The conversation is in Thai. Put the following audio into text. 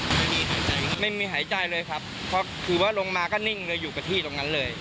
ไม่มีหายใจไหมครับไม่มีหายใจเลยครับเพราะถือว่าลงมาก็นิ่งเลยอยู่กับที่ตรงนั้นเลย